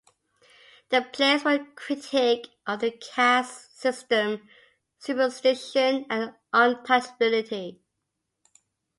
The plays were a critique of the caste system, superstition, and untouchability.